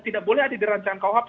tidak ada di racangan kuhp